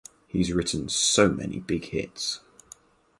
He’s written so many big hits.